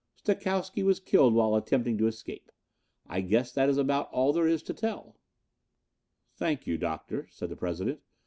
Stokowsky was killed while attempting to escape. I guess that is about all there is to it." "Thank you, Doctor," said the President.